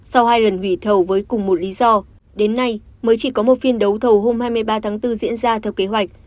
sau hai lần hủy thầu với cùng một lý do đến nay mới chỉ có một phiên đấu thầu hôm hai mươi ba tháng bốn diễn ra theo kế hoạch